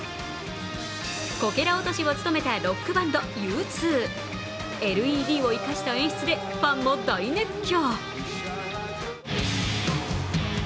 こけら落としを務めたロックバンドＵ２、ＬＥＤを生かした演出でファンも大熱狂。